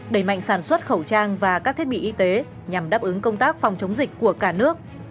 đẩy mạnh sản xuất khẩu trang và các thiết bị y tế nhằm đáp ứng công tác phòng chống dịch của cả nước